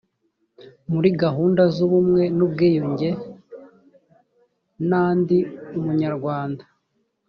muri gahunda z’ubumwe n’ubwiyunge na ndi umunyarwanda